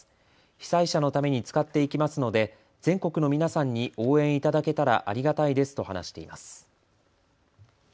被災者のために使っていきますので全国の皆さんに応援いただけたらありがたいですと話しています。